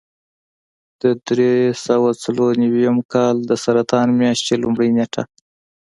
د درې سوه څلور نوي کال د سرطان میاشتې لومړۍ نېټه.